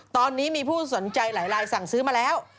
ตอนนี้มีผู้สนใจหลายลายสั่งซื้อมาแล้ว